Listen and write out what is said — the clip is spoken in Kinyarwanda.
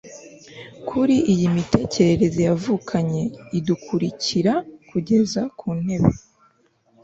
kuri iyi mitekerereze yavukanye, idukurikira kugeza kuntebe